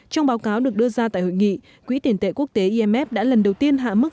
trong báo cáo được đưa ra tại hội nghị quỹ tiền tệ quốc tế imf đã lần đầu tiên hạ mức